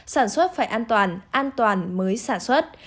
sản xuất phải an toàn an toàn mới sản xuất